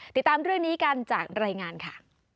ติดตามเรื่องนี้กันจากรายงานค่ะ